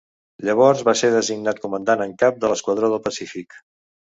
Llavors va ser designat Comandant en Cap de l'Esquadró del Pacífic.